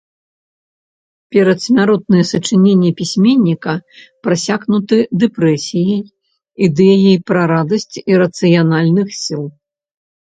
Перадсмяротныя сачыненні пісьменніка прасякнуты дэпрэсіяй, ідэяй пра радасць ірацыянальных сіл.